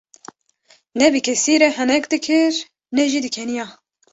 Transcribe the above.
Ne bi kesî re henek dikir ne jî dikeniya.